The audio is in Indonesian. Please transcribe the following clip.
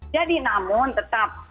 jadi namun tetap